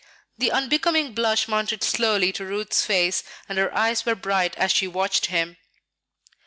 The unbecoming blush mounted slowly to Ruth's face and her eyes were bright as she watched him.